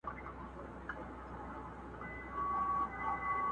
څنګه دا کور او دا جومات او دا قلا سمېږي!!